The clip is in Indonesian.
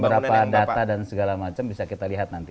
berapa data dan segala macam bisa kita lihat nanti